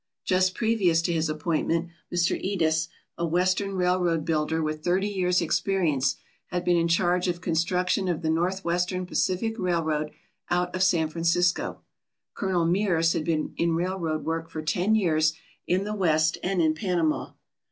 Just previous to his appointment, Mr. Edes, a Western railroad builder with thirty years' ex perience, had been in charge of construction of the North western Pacific Railroad out of San Francisco. Colonel Mears had been in railroad work for ten years in the West and in Panama.